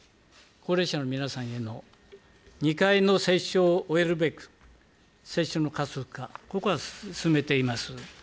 まずは７月末までに高齢者の皆さんへの２回の接種を終えるべく、接種の加速化、ここは進めています。